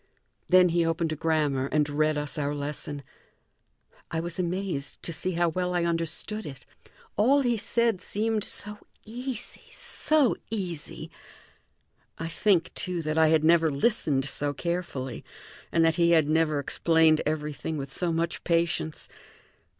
Then he opened a grammar and read us our lesson. I was amazed to see how well I understood it. All he said seemed so easy, so easy! I think, too, that I had never listened so carefully, and that he had never explained everything with so much patience.